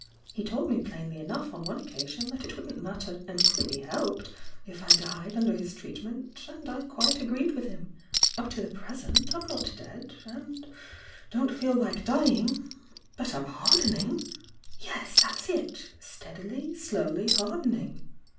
Ha told me plainly enough on one occasion that it wouldn't matter and couldn't be helped if I died under his treatment — and I quite agreed with him. Up to the present I'm not dead and don't feel like dying— but I'm hardening! Yes! that's it! Stead ily, slowly hardening!